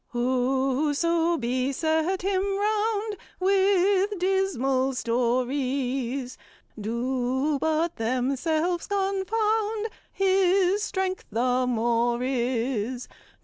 "Whoso beset him round With dismal stories, Do but themselves confound His strength the more is.